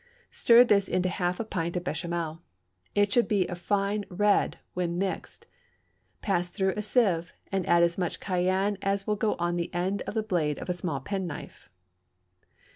Stir this into half a pint of béchamel. It should be a fine red when mixed; pass through a sieve, and add as much cayenne as will go on the end of the blade of a small penknife.